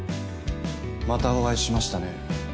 またお会いしましたね